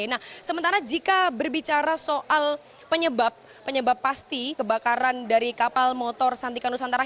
nah sementara jika berbicara soal penyebab pasti kebakaran dari kapal motor santika nusantara